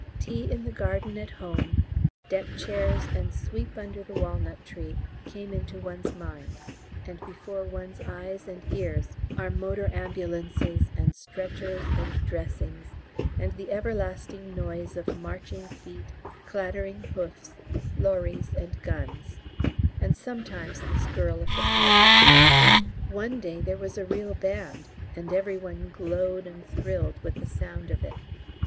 Tea in the garden at home, deck chairs, and Sweep under the walnut tree come into one's mind, and before one's eyes and ears are motor ambulances and stretchers and dressings, and the everlasting noise of marching feet, clattering hoofs, lorries, and guns, and sometimes the skirl of the pipes. One day there was a real band, and every one glowed and thrilled with the sound of it.